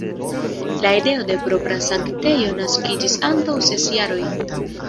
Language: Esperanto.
La ideo de propra sanktejo naskiĝis antaŭ ses jaroj.